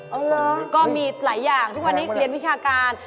เหรอก็มีหลายอย่างทุกวันนี้เรียนวิชาการ